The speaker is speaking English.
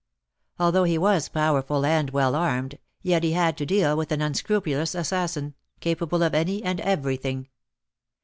Although he was powerful and well armed, yet he had to deal with an unscrupulous assassin, capable of any and every thing.